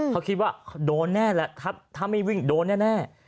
เขาคิดว่าโดนแน่แหละถ้าไม่วิ่งโดนแน่